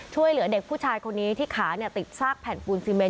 ช่วยเหลือเด็กผู้ชายคนนี้ที่ขาติดซากแผ่นปูนซีเมน